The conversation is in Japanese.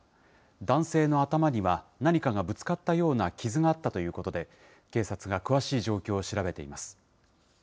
男性の頭には何かがぶつかったような傷があったということで、警察が詳しい状況を調べています。